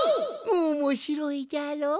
おもしろいじゃろ？